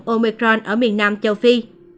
ở miền nam châu phi